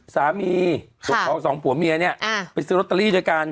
สามีของสองผัวเมียเนี่ยไปซื้อลอตเตอรี่ด้วยกัน